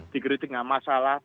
dikritik nggak masalah